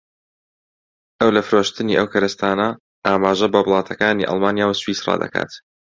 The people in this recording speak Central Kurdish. ئەو لە فرۆشتنی ئەو کەرستانە ئاماژە بە وڵاتەکانی ئەڵمانیا و سویسڕا دەکات